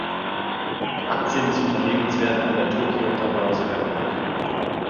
Die Aktien des Unternehmens werden an der Tokioter Börse gehandelt.